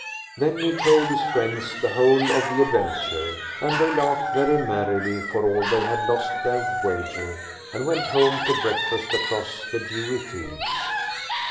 Then he told his friends the whole of the adventure, and they laughed very merrily, for all they had lost their wager, and went home to breakfast across the dewy fields.